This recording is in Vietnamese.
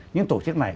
những tổ chức này